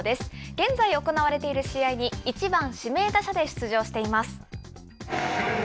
現在行われている試合に１番指名打者で出場しています。